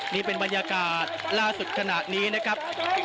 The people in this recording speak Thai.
นี่เป็นบรรยากาศล่าสุดขณะนี้นะครับ